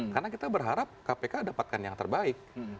karena kita berharap kpk dapatkan yang terbaik